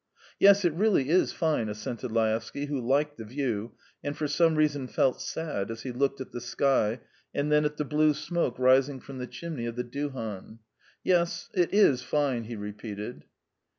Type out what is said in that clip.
"Yes, it really is fine," assented Laevsky, who liked the view, and for some reason felt sad as he looked at the sky and then at the blue smoke rising from the chimney of the duhan. "Yes, it is fine," he repeated.